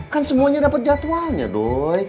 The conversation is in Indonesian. kan semuanya dapet jadwalnya doi